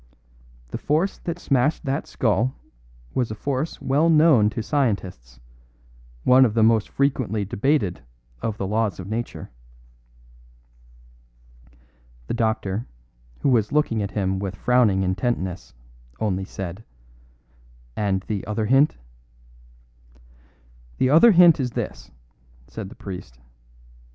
The force that smashed that skull was a force well known to scientists one of the most frequently debated of the laws of nature." The doctor, who was looking at him with frowning intentness, only said: "And the other hint?" "The other hint is this," said the priest.